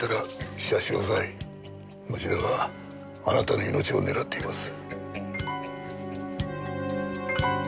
町田はあなたの命を狙っています。